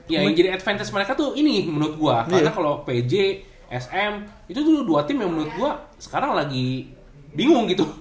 yang jadi advantage mereka tuh ini menurut gua karena kalo pj sm itu tuh dua tim yang menurut gua sekarang lagi bingung gitu